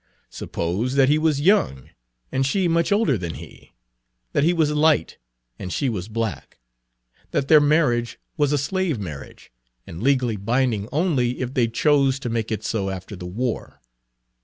Suppose that he was young, and she much older than he; that he was light, and she was black; that their marriage was a slave marriage, and legally binding only if they chose to make it so after the war.